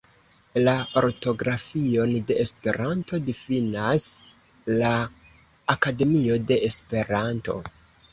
La ortografion de Esperanto difinas la Akademio de Esperanto.